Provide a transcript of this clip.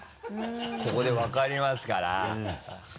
ここで分かりますから。